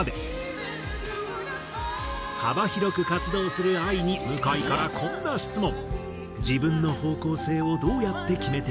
幅広く活動するＡＩに向井からこんな質問。